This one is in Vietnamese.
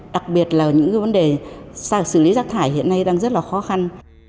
đặc biệt là những vấn đề xử lý rác thải hiện nay đang rất là khó khăn